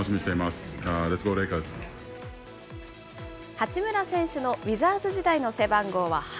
八村選手のウィザーズ時代の背番号は８。